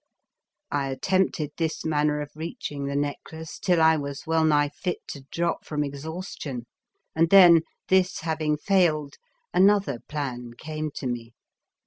I attempted this manner of reaching the necklace till I was well nigh fit to drop from exhaustion, and then, this having failed, another plan came to me.